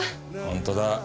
本当だ。